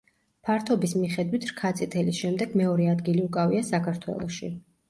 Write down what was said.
ფართობის მიხედვით რქაწითელის შემდეგ მეორე ადგილი უკავია საქართველოში.